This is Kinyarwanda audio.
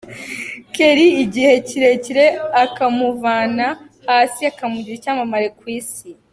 Kelly igihe kirekire akamuvana hasi akamugira icyamamare ku Isi.